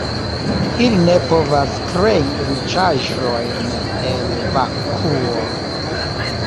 Ili ne povas krei riĉaĵojn el vakuo.